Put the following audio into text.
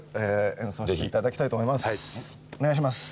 お願いします。